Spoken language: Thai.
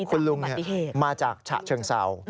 คุณลุงมาจากฉะเชิงเศร้า